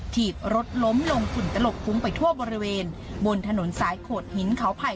ถีบรถล้มลงฝุ่นตลบคุ้งไปทั่วบริเวณบนถนนสายโขดหินเขาไผ่